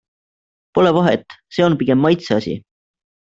Pole vahet, see on pigem maitseasi.